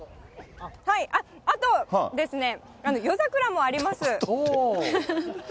あとですね、夜桜もあります。